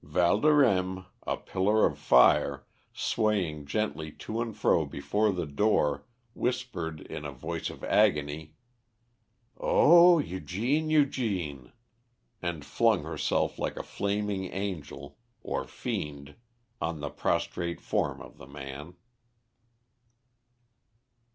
Valdorême, a pillar, of fire, swaying gently to and fro before the door, whispered in a voice of agony "Oh, Eugene, Eugene!" and flung herself like a flaming angel or fiend on the prostrate form of the man.